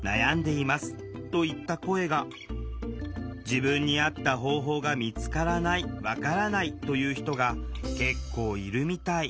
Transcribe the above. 自分に合った方法が見つからない分からないという人が結構いるみたい。